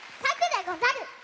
さくでござる！